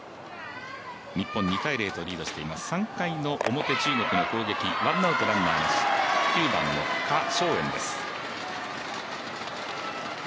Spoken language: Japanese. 日本２−０とリードしています、３回の表中国の攻撃、ワンアウトランナーなし９番の何小燕です。